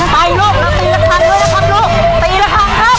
ไปลูกละตีละครั้งด้วยนะครับลูกตีละครั้งครับ